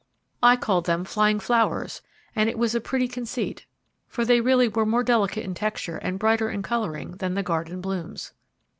I called them 'flying flowers,' and it was a pretty conceit, for they really were more delicate in texture and brighter in colouring than the garden blooms.